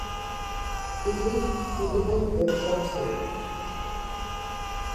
তিনি কুতুবুল ইরশাদ ছিলেন”।